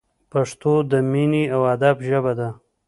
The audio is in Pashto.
پښتو د مینې او ادب ژبه ده!